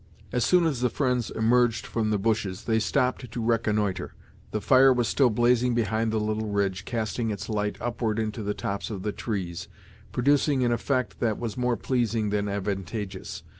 As soon as the friends emerged from the bushes, they stopped to reconnoitre. The fire was still blazing behind the little ridge, casting its light upward into the tops of the trees, producing an effect that was more pleasing than advantageous.